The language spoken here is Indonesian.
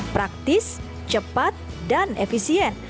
praktis cepat dan efisien